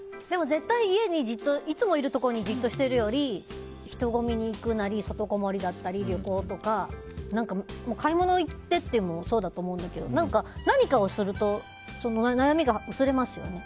絶対家で、いつもいるところでじっとしているより人ごみに行くなり外こもりなり、旅行とか買い物に行ってというのもそうだと思うんだけど何かをすると悩みが薄れますよね。